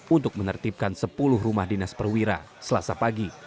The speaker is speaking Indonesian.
untuk menertibkan sepuluh rumah dinas perwira selasa pagi